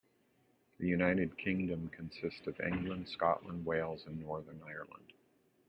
The United Kingdom consists of England, Scotland, Wales and Northern Ireland.